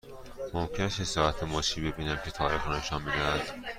ممکن است یک ساعت مچی ببینم که تاریخ را نشان می دهد؟